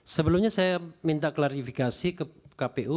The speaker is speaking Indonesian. sebelumnya saya minta klarifikasi ke kpu